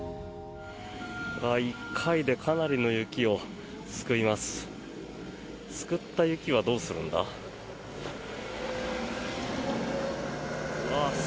１回でかなりの雪をすくいます。